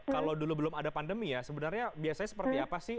kalau dulu belum ada pandemi ya sebenarnya biasanya seperti apa sih